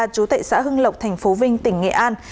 chú tệ xã hưng lộc tp vinh tỉnh nghệ an